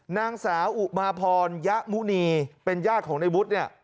นางสาวอุมาพรยะมุณีเป็นญาติของในวุฒิเนี่ย